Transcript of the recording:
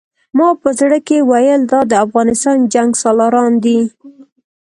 ما په زړه کې ویل دا د افغانستان جنګسالاران دي.